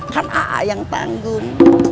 kan a a yang tangguh